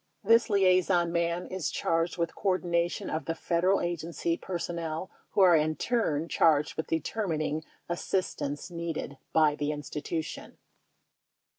This liaison man is charged with coordination of the federal agency per sonnel who are in turn charged with determining assistance needed by the institution.